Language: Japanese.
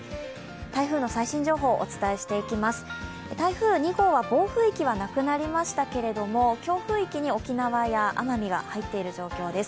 台風の最新情報をお伝えしていきます、台風２号は暴風域はなくなりましたけども、強風域に沖縄や奄美が入っている状況です。